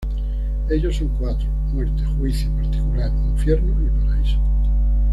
Ellos son cuatro: muerte, juicio particular, infierno y paraíso.